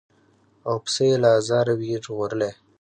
او پسه یې له آزاره وي ژغورلی